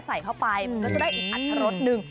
ใส่เข้าไปมันก็จะได้อีกอัตรรสหนึ่ง